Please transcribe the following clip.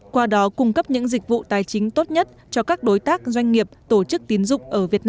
qua đó cung cấp những dịch vụ tài chính tốt nhất cho các đối tác doanh nghiệp tổ chức tiến dục